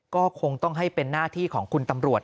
ก็คงต้องให้เป็นหน้าที่ของคุณตำรวจ